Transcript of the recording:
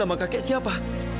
nama kakek siapa